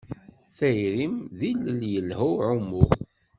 Tayrim d ilel yelha i uɛumu.